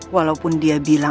walaupun dia bilang